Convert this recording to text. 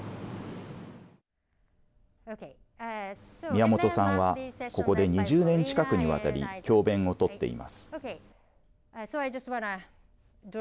宮本さんはここで２０年近くにわたり教べんをとっています。